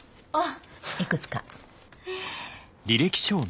いくつか。